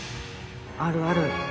あるある。